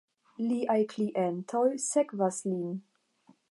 Liaj klientinoj sekvas lin.